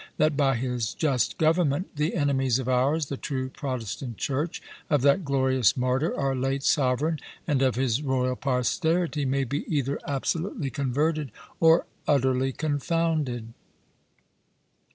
That by his just government, the enemies of ours, the true Protestant Church, of that glorious martyr, our late sovereign, and of his royal posterity, may be either absolutely converted, or utterly confounded.